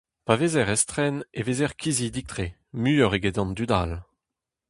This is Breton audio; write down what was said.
Pa vezer estren e vezer kizidik-tre, muioc'h eget an dud all.